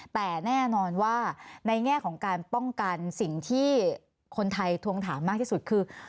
แต่แน่นอนว่าในแง่ของการป้องกันสิ่งที่คนไทยทวงถามมากที่สุดคือ